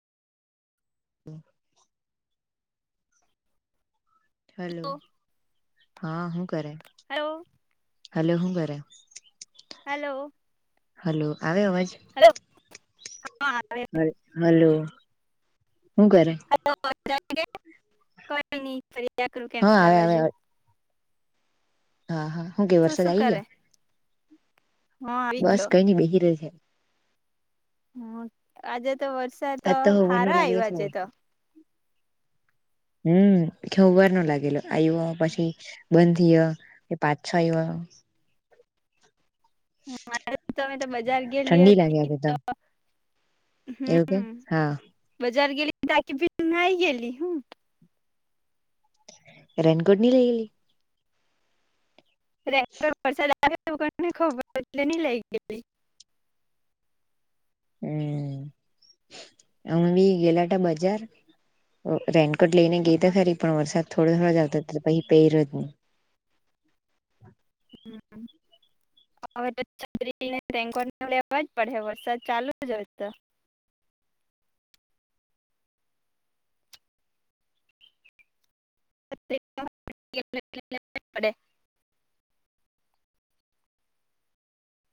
હમ. Hello હા હું કરે હલો હલો હું કરે. હલો આવે અવાજ. હલો હા હ હાલું. હું કરે? કો નહી ફરદ કરું કે હા અંદ આવે બાજુ. આવે હા હા હું ગ તું વર્ષ શું જઈ ગ. કરે હા આવી બસ ગયો કઈ ન બેહી ર છે. હ આજે તો વરસાદ તો આજ હોવાર નો સારો લાગેલો આવ્યોજે છે તો. હમ ખ વાર નો લાગેલો આયો પછી બંધંધીય પાંચ છો આવ્યો હા મારે તમે તો બજાર ગેલી ઠંડી લાગે હતી આજે તો. એવું કે, હા! જર ગેલી તાકી ભી ગેલી હમ. રનગોડની લઈ? ટ્રેક્ટર ફસાય [unintelligible] હમ્મ [inaudible] અમી ગેલા હતા બજાર રેન કોટ લઈને ગઈ તો ફરી પણ વરસાદ થોડું થોડું જ આવતો હતો પછી પેરયો જ નહી. હમ્મ. હવે તો છત્રી લઈ રેનકોટ લેવા જ પડે વરસાદ ચાલુ જ હોય તો [inaudible] [unintelligible] પડે